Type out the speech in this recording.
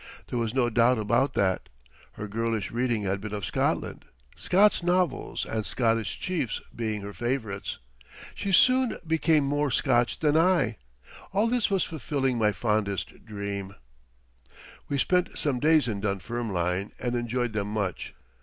There was no doubt about that. Her girlish reading had been of Scotland Scott's novels and "Scottish Chiefs" being her favorites. She soon became more Scotch than I. All this was fulfilling my fondest dreams. We spent some days in Dunfermline and enjoyed them much.